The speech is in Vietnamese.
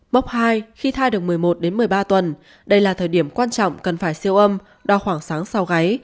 bốc hai khi thai được một mươi một đến một mươi ba tuần đây là thời điểm quan trọng cần phải siêu âm đo khoảng sáng sau gáy